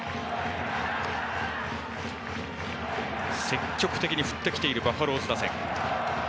積極的に振ってきているバファローズ打線。